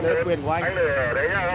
đấy quyền của anh